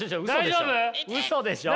大丈夫？